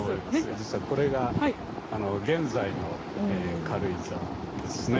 実はこれが現在の軽井沢ですね。